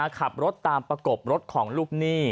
ขับรถตามประกบรถของลูกหนี้